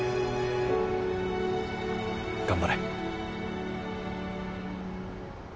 頑張れ。